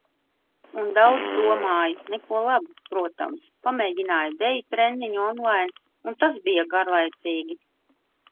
Un daudz domāju. Neko labu, protams. Pamēģināju deju treniņu online un tas bija garlaicīgi.